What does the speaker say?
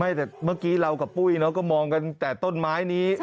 เมื่อกี้เรากับปุ้ยก็มองกันแต่ต้นไม้นี้